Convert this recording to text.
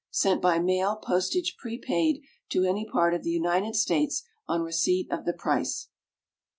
_Sent by mail, postage prepaid, to any part of the United States, on receipt of the price.